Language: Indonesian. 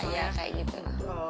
ya ya kayak gitu lah